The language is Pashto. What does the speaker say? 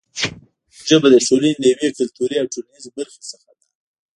پښتو ژبه د ټولنې له یوې کلتوري او ټولنیزې برخې څخه ده.